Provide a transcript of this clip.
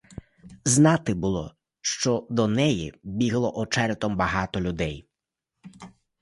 Знати було, що до неї бігло очеретом багато людей.